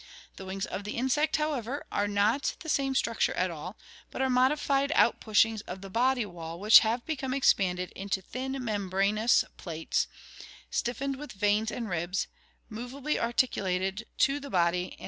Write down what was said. The wings of the insect, however, are not the 1 same structure at all, but are modified out pushings of the body wall which have be come expanded into thin membranous plates, stiffened with veins and ribs, mov ably articulated to the body and en Fio.